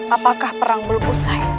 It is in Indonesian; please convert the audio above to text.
apakah perang belum selesai